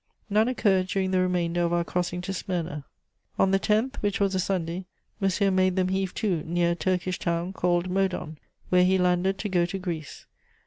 "None occurred during the remainder of our crossing to Smyrna. On the 10th, which was a Sunday, Monsieur made them heave to near a Turkish town called Modon, where he landed to go to Greece.